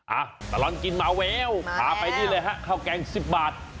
อ่ะตลอดกินหมาเวลพาไปนี่เลยฮะข้าวแกง๑๐บาท